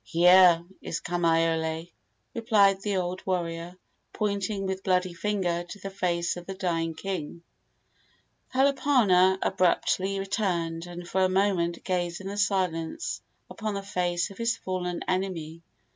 "Here is Kamaiole," replied the old warrior, pointing with bloody finger to the face of the dying king. Kalapana abruptly turned, and for a moment gazed in silence upon the face of his fallen enemy.